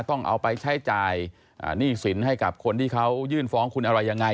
ต้องเอาไปใช้จ่ายหนี้สินให้กับคนที่เขายื่นฟ้องคุณอะไรยังไง